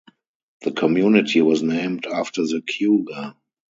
The community was named after the cougar.